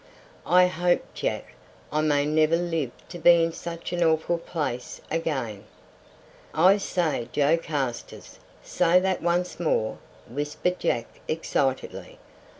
I hope, Jack, I may never live to be in such an awful place again." "I say, Joe Carstairs, say that once more," whispered Jack excitedly.